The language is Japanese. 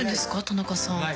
田中さん。